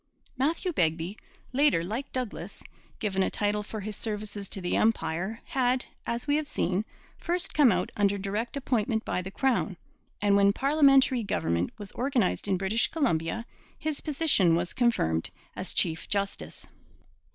Matthew Begbie, later, like Douglas, given a title for his services to the Empire, had, as we have seen, first come out under direct appointment by the crown; and when parliamentary government was organized in British Columbia his position was confirmed as chief justice.